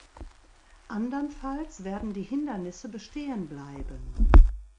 Andernfalls werden die Hindernisse bestehen bleiben.